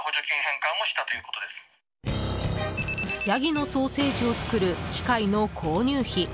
ヤギのソーセージを作る機械の購入費